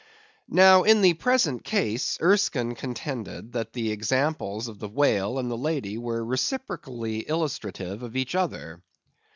Now in the present case Erskine contended that the examples of the whale and the lady were reciprocally illustrative of each other.